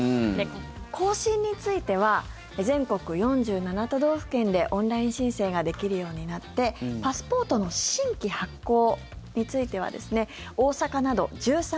更新については全国４７都道府県でオンライン申請ができるようになってパスポートの新規発行については大阪など１３